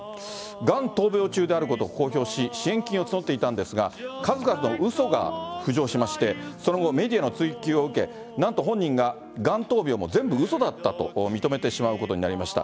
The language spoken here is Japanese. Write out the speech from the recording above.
がん闘病中であることを公表し、支援金を募っていたんですが、数々のうそが浮上しまして、その後、メディアの追及を受け、なんと本人が、がん闘病も全部うそだったと認めてしまうことになりました。